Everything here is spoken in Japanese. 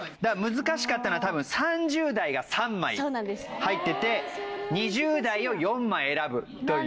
難しかったのが多分３０代が３枚入ってて２０代を４枚選ぶという。